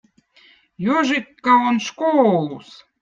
jožikkõ on škouluz